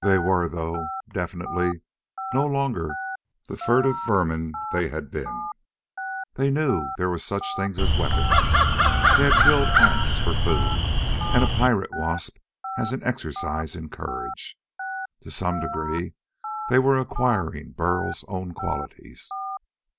They were, though, definitely no longer the furtive vermin they had been. They knew there were such things as weapons. They had killed ants for food and a pirate wasp as an exercise in courage. To some degree they were acquiring Burl's own qualities.